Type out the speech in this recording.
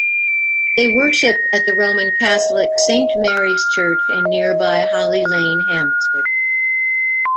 They worshipped at the Roman Catholic Saint Mary's Church in nearby Holly Lane, Hampstead.